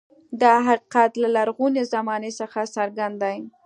دا حقیقت له لرغونې زمانې څخه څرګند دی.